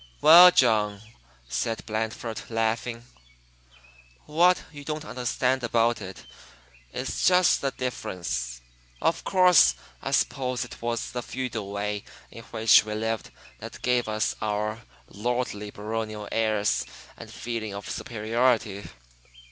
"Well, John," said Blandford, laughing, "what you don't understand about it is just the difference, of course. I suppose it was the feudal way in which we lived that gave us our lordly baronial airs and feeling of superiority."